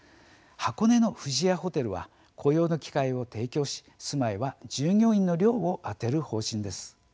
箱根の富士屋ホテルは雇用の機会を提供し、住まいは従業員の寮を充てる方針です。